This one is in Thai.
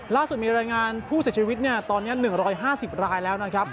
ล่าสุดมีรายงานผู้เสียชีวิตตอนนี้๑๕๐รายแล้วนะครับ